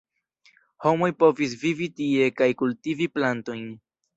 Homoj povis vivi tie kaj kultivi plantojn.